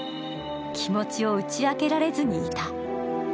気持ちを打ち明けられずにいた。